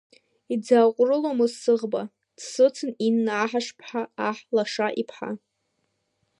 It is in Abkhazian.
Иӡааҟәрыломызт сыӷба, дсыцын Инна Аҳашԥҳа аҳ лаша иԥҳа.